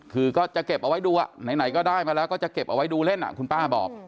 คือก็จะเก็บเอาไว้ดูไหนก็ได้มาแล้วก็จะเก็บเอาไว้ดูเล่นคุณป้าบอก